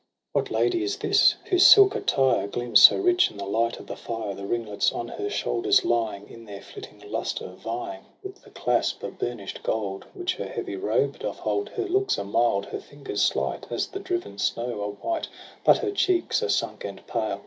What Lady is this, whose silk attire Gleams so rich in the light of the fire? The ringlets on her shoulders lying In their flitting lustre vying 192 TRISTRAM AND ISEULT. With the clasp of burnish'd gold Which her heavy robe doth hold. Her looks are mild, her fingers slight As the driven snow are white; But her cheeks are sunk and pale.